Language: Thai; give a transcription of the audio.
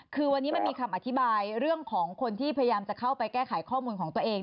คือวันนี้มันมีคำอธิบายเรื่องของคนที่พยายามจะเข้าไปแก้ไขข้อมูลของตัวเอง